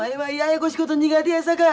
ややこしいこと苦手やさか。